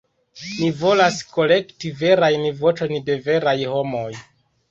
Ni volas kolekti verajn voĉojn de veraj homoj.